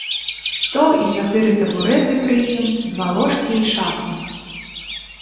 Стол і чатыры табурэты пры ім, два ложкі і шафа.